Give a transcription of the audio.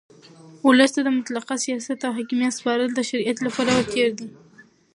اولس ته د مطلقه سیاست او حاکمیت سپارل د شریعت له پلوه تېرى دئ.